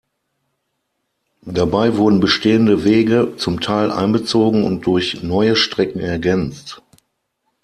Dabei wurden bestehende Wege zum Teil einbezogen und durch neue Strecken ergänzt.